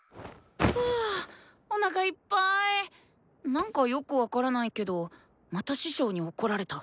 何かよく分からないけどまた師匠に怒られた。